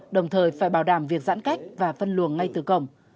đồng thời phải bảo đảm việc giãn cách và phân luồng ngay từ cổng